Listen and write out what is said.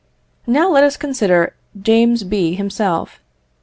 Now let us consider James B. himself.